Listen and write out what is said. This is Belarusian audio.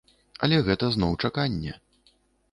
Але гэта зноў чаканне.